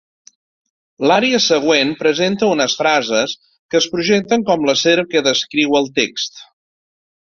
L'ària següent presenta unes frases que es projecten com la serp que descriu el text.